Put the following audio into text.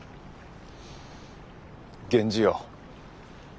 源氏よ。